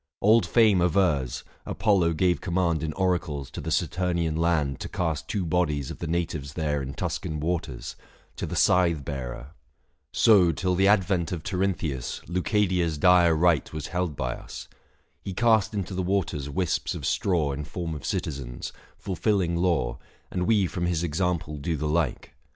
710 Old Fame avers, Apollo gave command In oracles to the Satumian land To cast two bodies of the natives there In Tuscan waters, to the Scythe bearer. So till the advent of Tirynthius 715 Leucadia's dire rite was held by us. He cast into the waters wisps of straw In form of citizens, fulfilling law, And we from his example do the like.